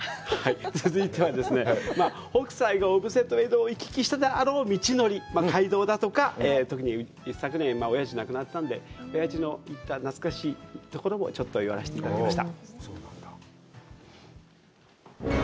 続いてはですね、北斎が江戸と小布施を行き来したであろう道、街道だとか、特に一昨年おやじが亡くなったのでおやじと行った懐かしいところもちょっと寄らせていただきました。